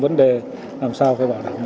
vấn đề làm sao phải bảo đảm